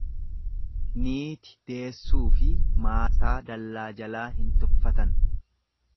Niiti deessuufi maasaa dallaa jalaa hin tuffatan.